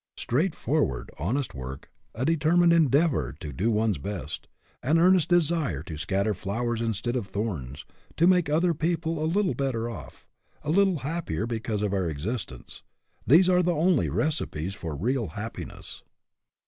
Straightforward, honest work, a determined endeavor to do one's best, an earnest desire to scatter flowers instead of thorns, to make other people a little better off, a little happier be cause of our existence, these are the only recipes for real happiness.